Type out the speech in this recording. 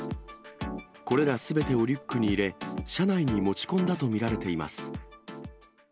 これらすべてをリュックに入れ、車内に持ち込んだと見られています。